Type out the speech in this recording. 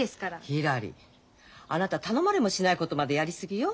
ひらりあなた頼まれもしないことまでやり過ぎよ。